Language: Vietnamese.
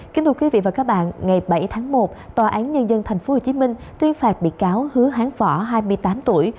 kính thưa quý vị và các bạn ngày bảy tháng một tòa án nhân dân tp hcm tuyên phạt bị cáo hứa hán phở hai mươi tám tuổi